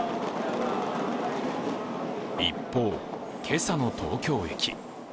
一方、今朝の東京駅。